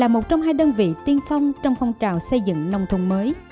là một trong hai đơn vị tiên phong trong phong trào xây dựng nông thôn mới